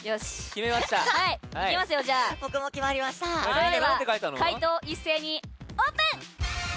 それでは回答を一斉にオープン！